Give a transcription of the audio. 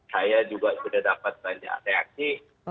saya juga sudah dapat banyak reaksi